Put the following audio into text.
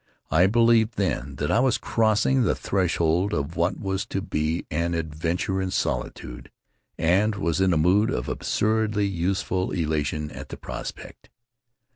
I believed then that I was crossing the threshold of what was to be an adventure in solitude, and was in a mood of absurdly youthful elation at the prospect.